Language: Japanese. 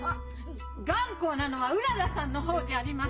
頑固なのはうららさんの方じゃありませんの！？